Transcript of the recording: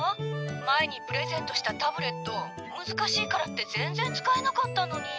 前にプレゼントしたタブレット難しいからって全然使えなかったのに」。